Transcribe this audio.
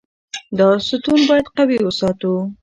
دا ستون باید قوي وساتو.